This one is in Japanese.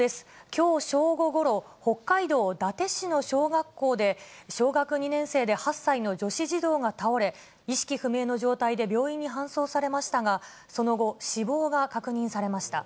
きょう正午ごろ、北海道伊達市の小学校で、小学２年生で８歳の女子児童が倒れ、意識不明の状態で病院に搬送されましたが、その後、死亡が確認されました。